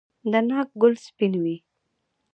د ناک ګل سپین وي؟